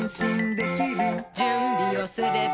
「じゅんびをすれば」